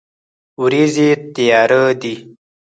ورېځې تیارې دي